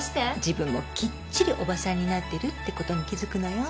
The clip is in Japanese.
自分もきっちりおばさんになってるってことに気付くのよ。